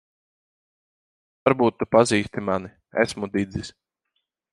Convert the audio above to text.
Varbūt tu pazīsti mani. Esmu Didzis.